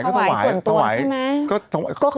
มันใหญ่เฝ้าไปให้ที่ส่วนตัวใช่มั้ย